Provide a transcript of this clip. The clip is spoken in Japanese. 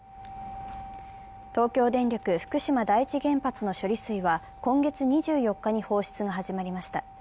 東京電力福島第一原発の処理水は今月２４日に放出が始まりました。